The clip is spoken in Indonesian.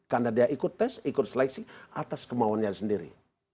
karena dia ikut tes ikut seleksi atas kemauannya sendiri